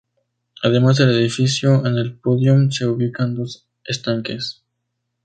Además del edificio, en el pódium se ubican dos estanques.